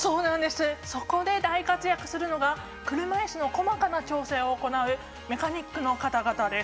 そこで大活躍するのが車いすの細かな調整を行うメカニックの方々です。